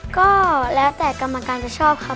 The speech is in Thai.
ก็แล้วแต่กรรมการจะชอบค่ะ